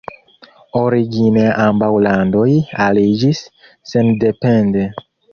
Origine ambaŭ landoj aliĝis sendepende.